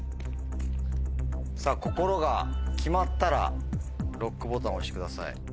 さぁ心が決まったらＬＯＣＫボタンを押してください。